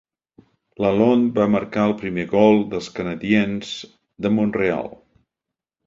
Lalonde va marcar el primer gol dels Canadiens de Mont-real.